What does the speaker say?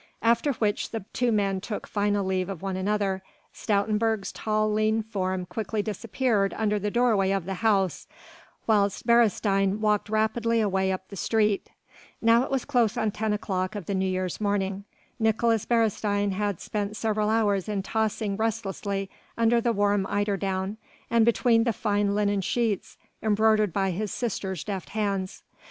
After which the two men took final leave of one another: Stoutenburg's tall lean form quickly disappeared under the doorway of the house, whilst Beresteyn walked rapidly away up the street. Now it was close on ten o'clock of New Year's morning. Nicolaes Beresteyn had spent several hours in tossing restlessly under the warm eiderdown and between the fine linen sheets embroidered by his sister's deft hands.